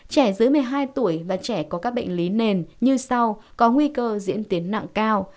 trẻ dưới một mươi hai tuổi và trẻ có các bệnh lý nền như sau có nguy cơ diễn tiến nặng cao